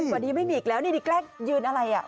ไม่มีอีกแล้วนี่ด้วยแกล้งยืนอะไร